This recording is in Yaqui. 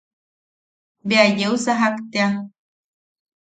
Bea yeu sajak tea.